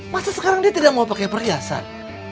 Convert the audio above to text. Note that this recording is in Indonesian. masa sekarang dia tidak mau pakai perhiasan